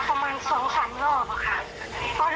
เพราะรอบที่๓ก็จำอะไรไม่ได้ค่ะเขาถูกเลย